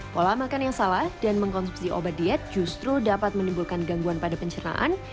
pola makan yang salah dan mengkonsumsi obat diet justru dapat menimbulkan gangguan pada pencernaan